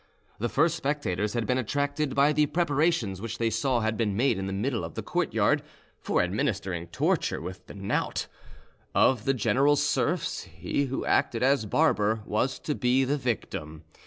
The first spectators had been attracted by the preparations which they saw had been made in the middle of the courtyard for administering torture with the knout. One of the general's serfs, he who acted as barber, was to be the victim.